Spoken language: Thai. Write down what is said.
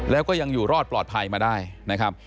แล้วก็ยังอยู่รอดปลอดภัยมาได้นะครับ